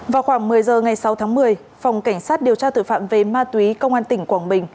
vào khoảng một mươi h ngày sáu tháng một mươi phòng cảnh sát điều tra tội phạm về ma túy công an tỉnh quảng bình